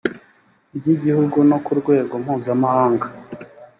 rw igihugu no ku rwego mpuzamahanga